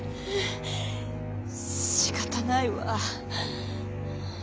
しかたないわ。